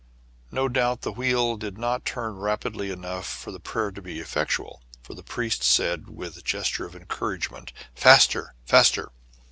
No doubt the wheel did not turn rapidly enough for the prayer to be effectual ; for the priest said, with a gesture of encouragement, " Faster, faster